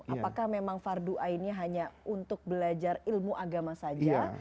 apakah memang fardu aini hanya untuk belajar ilmu agama saja